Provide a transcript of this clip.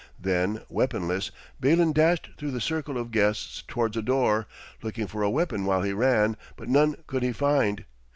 Then, weaponless, Balin dashed through the circle of guests towards a door, looking for a weapon while he ran, but none could he find.